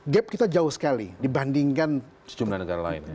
gap kita jauh sekali dibandingkan sejumlah negara lain